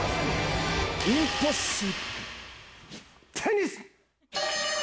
インポッシブルテニス。